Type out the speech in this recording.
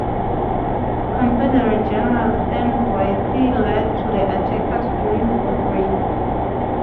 Confederate General Stand Watie led the attackers during both raids.